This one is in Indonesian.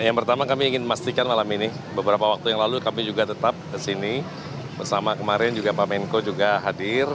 yang pertama kami ingin memastikan malam ini beberapa waktu yang lalu kami juga tetap kesini bersama kemarin juga pak menko juga hadir